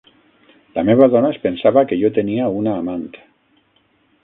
La meva dona es pensava que jo tenia una amant.